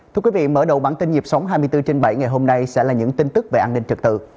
thưa quý vị mở đầu bản tin nhịp sống hai mươi bốn trên bảy ngày hôm nay sẽ là những tin tức về an ninh trật tự